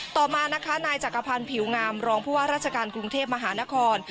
ต่อมานะคะนายจักรพันธ์ผิวงามรองผู้ว่าราชการกรุงเทพมหานคร